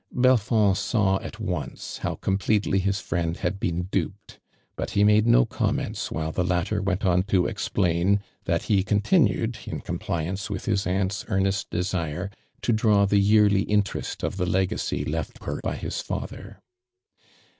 Rolfond saw at onco how completely his friend had been duped, but ho made no comments while tho latter went on to explain, that he con tinued, in compliance with his ,\unt's • earnest desire, to draw the yearly interest of the legacy left her by his father.